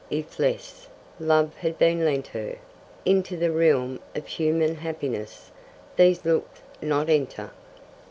if less Love had been lent her! Into the realm of human happiness These look not enter.